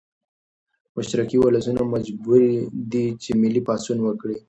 مشرقي ولسونه مجبوري دي چې ملي پاڅون وکړي.